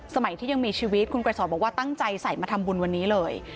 สมัยที่ยังมีชีวิตคุณไกรสอนบอกว่าตั้งใจใส่มาทำบุญวันนี้เลย